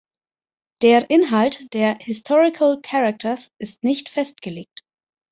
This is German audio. Der Inhalt der "Historical Characters" ist nicht festgelegt.